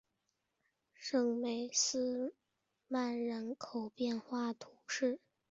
圣梅斯曼人口变化图示